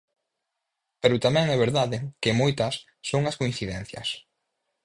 Pero tamén é verdade que moitas son as coincidencias.